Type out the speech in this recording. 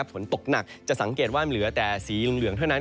ฝนตกหนักจะสังเกตว่าเหลือแต่สีเหลืองเท่านั้น